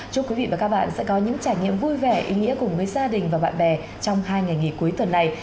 chúc quý vị và các bạn sẽ có những trải nghiệm vui vẻ ý nghĩa cùng với gia đình và bạn bè trong hai ngày nghỉ cuối tuần này